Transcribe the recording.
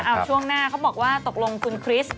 เอาช่วงหน้าเขาบอกว่าตกลงคุณคริสต์